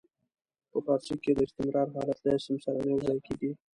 په فارسي کې د استمرار حالت له اسم سره نه یو ځای کیږي.